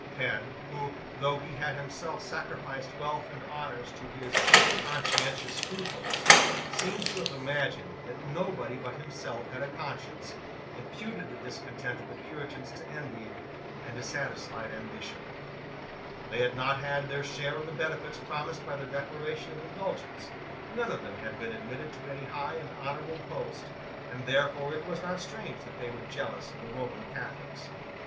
Penn, who, though he had himself sacrificed wealth and honours to his conscientious scruples, seems to have imagined that nobody but himself had a conscience, imputed the discontent of the Puritans to envy and dissatisfied ambition. They had not had their share of the benefits promised by the Declaration of Indulgence: none of them had been admitted to any high and honourable post; and therefore it was not strange that they were jealous of the Roman Catholics.